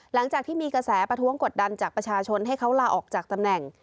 หลังจากที่มีกระแสประท้วงกดดันจากประชาชนให้เขาลาออกจากตำแหน่ง